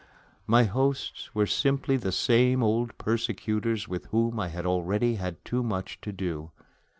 My hosts were simply the same old persecutors with whom I had already had too much to do.